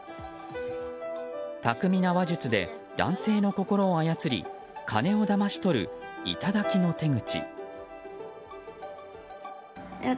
巧みな話術で男性の心を操り金をだまし取る、頂きの手口。